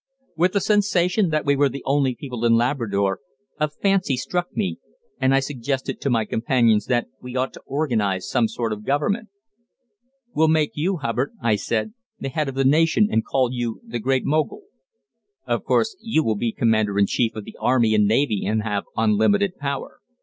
With the sensation that we were the only people in Labrador, a fancy struck me and I suggested to my companions that we ought to organise some sort of government. "We'll make you, Hubbard," I said, "the head of the nation and call you the Great Mogul. Of course you will be commander in chief of the army and navy and have unlimited power.